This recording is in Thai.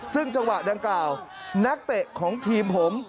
ซึ่งจังหวะดังกล่าวนักเตะของทีมผม